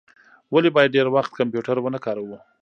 ولي باید ډیر وخت کمپیوټر و نه کاروو؟